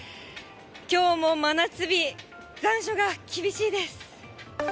きょうも真夏日、残暑が厳しいです。